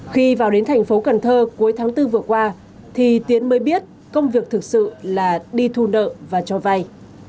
khi vào đến thành phố cần thơ cuối tháng bốn vừa qua thì tiến mới biết công việc thực sự là đi thu nợ và cho vay